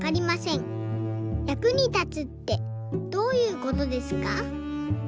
役に立つってどういうことですか？」。